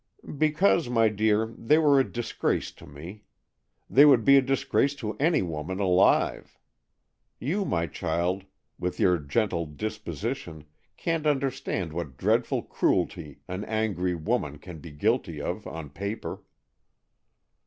"Because, my dear, they were a disgrace to me. They would be a disgrace to any woman alive. You, my child, with your gentle disposition, can't understand what dreadful cruelty an angry woman can be guilty of on paper.